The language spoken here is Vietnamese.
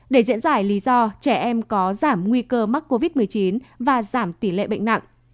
để diễn giải lý do trẻ em có giảm nguy cơ mắc covid một mươi chín và giảm tỷ lệ bệnh nặng